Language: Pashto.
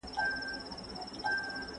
ته ستم کوه چې تـــرس په ما اونه کــــــړې